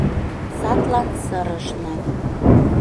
Садлан сырышна.